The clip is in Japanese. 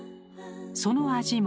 その味も。